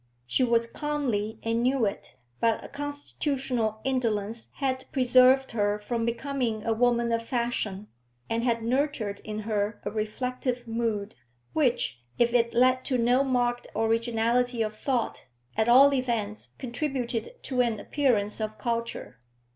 She was comely and knew it, but a constitutional indolence had preserved her from becoming a woman of fashion, and had nurtured in her a reflective mood, which, if it led to no marked originality of thought, at all events contributed to an appearance of culture.